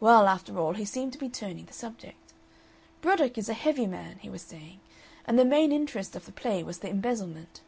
Well, after all, he seemed to be turning the subject. "Broddick is a heavy man," he was saying, "and the main interest of the play was the embezzlement."